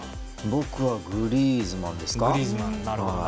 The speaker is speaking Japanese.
僕はグリーズマンですか。